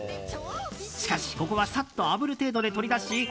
しかし、ここはサッと炙る程度で取り出し